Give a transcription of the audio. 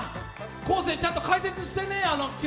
昴生、ちゃんと解説してね。